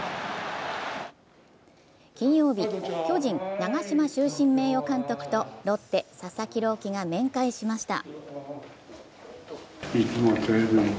金曜日、巨人・長嶋終身名誉監督とロッテ・佐々木朗希が面会しました